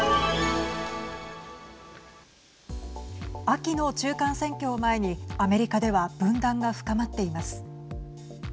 秋の中間選挙を前にアメリカでは分断が深まっています。